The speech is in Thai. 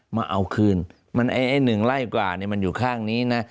มาเอาคืนมันไอ้๑ไร่กว่ามันอยู่ข้างนี้นะ